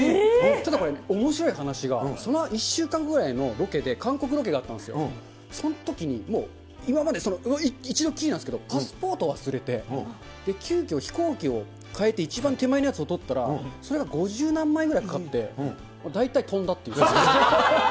ただ、これ、おもしろい話が、その１週間後ぐらいのロケで、韓国ロケがあったんですよ、そんときに、もう今まで一度っきりなんですけど、パスポート忘れて、急きょ、飛行機を替えて一番手前のやつを取ったら、それが五十何万円ぐらいかかって、大体飛んだっていう。